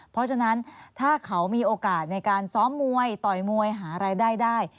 เพราะฉะนั้นถ้าเขามีโอกาสในการซ้อมมวยต่อยมวยหารายได้ได้